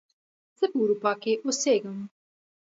زه په اروپا کې اوسیږم